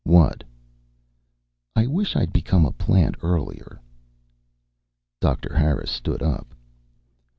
"What?" "I wish I'd become a plant earlier." Doctor Harris stood up.